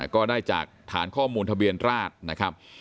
ก็ได้จากฐานข้อมูลทะเบียนราชนะครับ